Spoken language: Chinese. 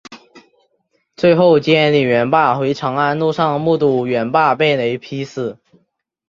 最后接李元霸回长安路上目睹元霸被雷劈死。